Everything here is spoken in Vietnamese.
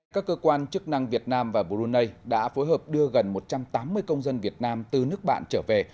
các cơ quan chức năng việt nam và brunei đã phối hợp đưa gần một trăm tám mươi công dân việt nam từ nước bạn trở về